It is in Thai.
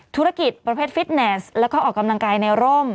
ธุรกิจประเภทฟิตเนสแล้วก็ออกกำลังกายในร่ม